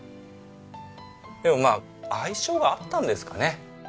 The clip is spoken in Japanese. でもまあ相性が合ったんですかね。